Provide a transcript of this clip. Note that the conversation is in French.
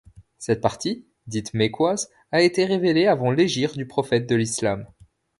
Cette partie dite mecquoise a été révélée avant l'hégire du prophète de l'islam.